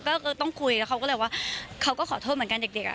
ก็ต้องคุยแล้วเขาก็เลยว่าเขาก็ขอโทษเหมือนกันเด็กอ่ะ